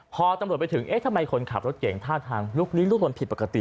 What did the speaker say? พอตำรวจไปถึงเอ๊ะทำไมคนขับรถเก่งท่าทางลุกลี้ลุกลนผิดปกติ